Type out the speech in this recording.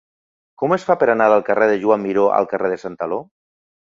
Com es fa per anar del carrer de Joan Miró al carrer de Santaló?